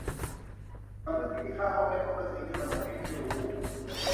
สำนึกผิดที่ฆ่าแม่ของตนเองด้วยอารมณ์เพียงชั่ววูบ